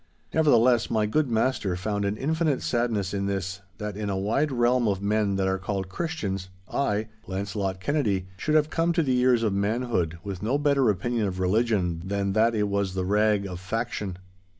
Nevertheless my good master found an infinite sadness in this, that in a wide realm of men that are called Christians, I, Launcelot Kennedy, should have come to the years of manhood with no better opinion of religion than that it was the rag of faction.